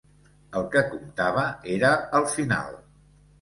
El que comptava era el final.